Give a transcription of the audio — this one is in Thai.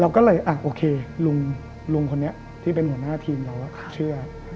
เราก็เลยอ่ะโอเคลุงลุงคนนี้ที่เป็นหัวหน้าทีมเราอ่ะค่ะเชื่ออ่ะ